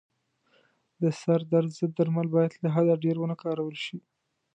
د سردرد ضد درمل باید له حده ډېر و نه کارول شي.